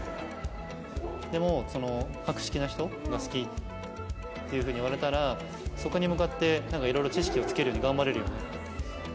でも「博識な人が好き」っていうふうに言われたらそこに向かってなんか色々知識をつけるように頑張れるように。